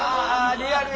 リアルや。